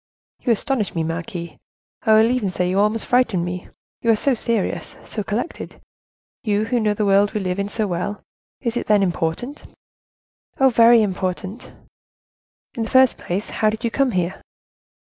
"You astonish me, marquise; I will even say you almost frighten me. You, so serious, so collected; you who know the world we live in so well. Is it, then, important?" "Oh! very important." "In the first place, how did you come here?"